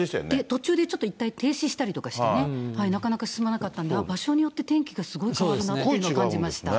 途中でちょっといったん停止したりなんかして、なかなか進まなかったんで、場所によって天気がすごい変わるなっていうのは感じました。